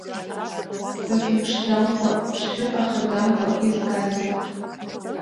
Сазыԥшӡамкәа, ԥшшәы ахаӡамкәа изгазеи!